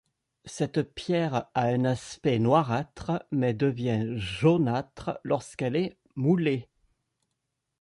Cette pierre a un aspect noirâtre, mais devient jaunâtre lorsqu’elle est moulée.